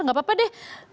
gak apa apa deh